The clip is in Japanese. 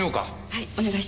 はい。